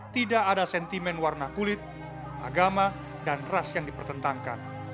tidak ada sentimen warna kulit agama dan ras yang dipertentangkan